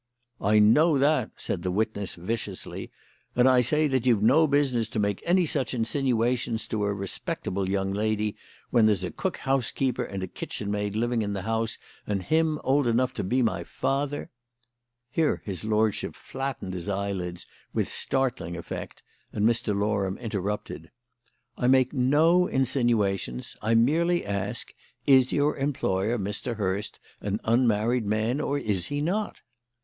"I know that," said the witness viciously; "and I say that you've no business to make any such insinuations to a respectable young lady when there's a cook housekeeper and a kitchenmaid living in the house, and him old enough to be my father " Here his lordship flattened his eyelids with startling effect, and Mr. Loram interrupted: "I make no insinuations. I merely ask, Is your employer, Mr. Hurst, an unmarried man, or is he not?"